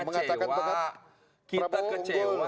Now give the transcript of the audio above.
mengatakan prabowo unggul